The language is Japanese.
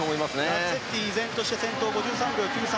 ラッツェッティ依然として先頭、５３秒９３。